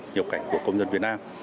nhập cảnh của công dân việt nam